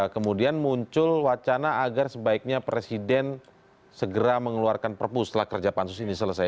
kemudian muncul wacana agar sebaiknya presiden segera mengeluarkan perpu setelah kerja pansus ini selesai